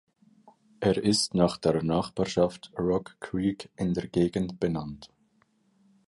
Er ist nach der Nachbarschaft Rock Creek in der Gegend benannt.